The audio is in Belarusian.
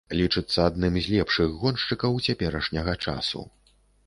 Лічыцца адным з лепшых гоншчыкаў цяперашняга часу.